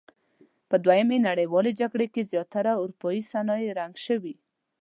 په دویمې نړیوالې جګړې کې زیاتره اورپایي صنایع رنګ شوي.